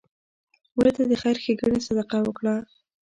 مړه ته د خیر ښیګڼې صدقه وکړه